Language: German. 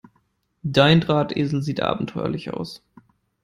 Dein Drahtesel sieht abenteuerlich aus.